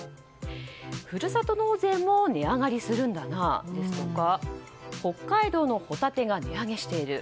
ふるさと納税も値上がりするんだな、ですとか北海道のホタテが値上げしている。